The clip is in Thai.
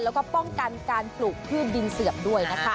แล้วก็ป้องกันการปลูกพืชดินเสื่อมด้วยนะคะ